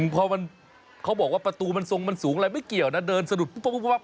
เพราะมันเขาบอกว่าประตูมันทรงมันสูงอะไรไม่เกี่ยวนะเดินสะดุดปุ๊บปุ๊บปุ๊บปุ๊บ